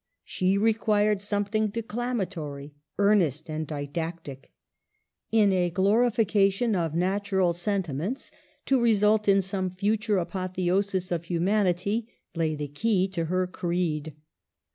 She required something declamatory, earnest, and didactic. In a glorification of natural sen timents to result in some future apotheosis of humanity lay the key to her creed.